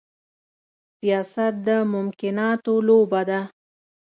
سياست د ممکناتو لوبه ده.